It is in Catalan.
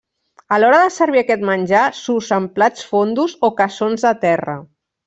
A l'hora de servir aquest menjar, s'usen plats fondos o cassons de terra.